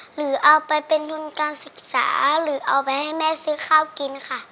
หรือเอาไปเป็นทุนการศึกษาหรือเอาไปให้แม่ซื้อข้าวกินค่ะ